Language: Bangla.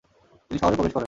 তিনি শহরে প্রবেশ করেন।